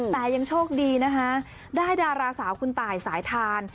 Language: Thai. แต่ยังโชคดีนะคะได้ดาราสาวคุณตายสายทาน